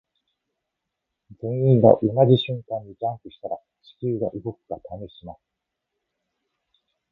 全員が同じ瞬間にジャンプしたら地球が動くか試します。